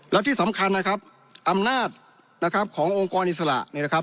และที่สำคัญนะครับอำนาจนะครับขององค์กรอิสระเนี่ยนะครับ